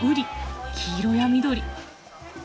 黄色や緑。